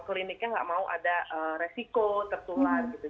kliniknya nggak mau ada resiko tertular gitu